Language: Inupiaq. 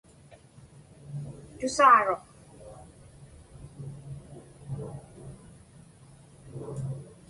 Tusaaruq.